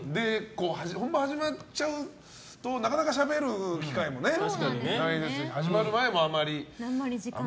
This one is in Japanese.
本番始まっちゃうとなかなかしゃべる機会もないし始まる前もね。